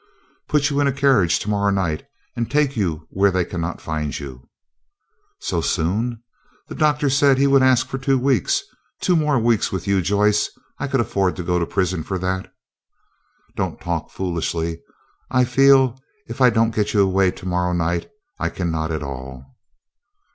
"Put you in a carriage to morrow night and take you where they cannot find you." "So soon? The Doctor said he would ask for two weeks. Two more weeks with you, Joyce—I could afford to go to prison for that." "Don't talk foolishly. I feel if I don't get you away to morrow night, I cannot at all."